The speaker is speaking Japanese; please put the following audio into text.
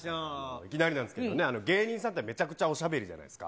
いきなりなんですけどね、芸人さんって、めちゃくちゃおしゃべりじゃないですか。